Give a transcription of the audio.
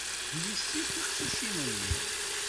D yessi teqcicin-nni.